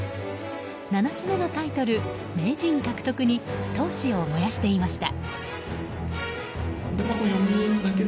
７つ目のタイトル、名人獲得に闘志を燃やしていました。